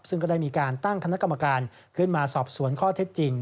ซึ่งก็ได้มีการตั้งคณะกรรมการขึ้นมาสอบสวนข้อเท็จจริง